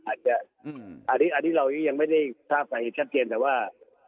อาจจะอันนี้เรายังไม่ได้ทราบไปชัดเจนแต่ว่า